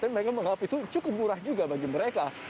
mereka menganggap itu cukup murah juga bagi mereka